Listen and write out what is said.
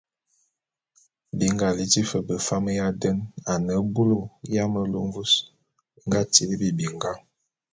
Bi nga liti fe befam ya den a ne bulu ya melu mvus be nga tibili binga.